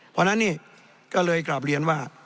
เพราะฉะนั้นนี่ก็เลยกลับเรียนว่า